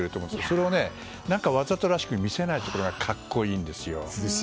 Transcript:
それをわざとらしく見せないところが格好いいんですよ。